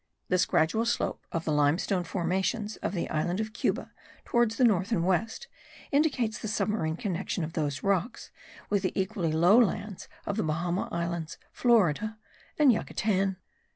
This gradual slope of the limestone formations of the island of Cuba towards the north and west indicates the submarine connection of those rocks with the equally low lands of the Bahama Islands, Florida and Yucatan.